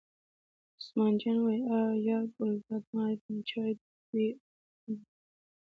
عثمان جان وویل: یار ګلداد ماما چای دې وي او ستا دې وي.